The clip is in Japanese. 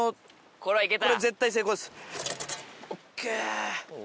これはいけた。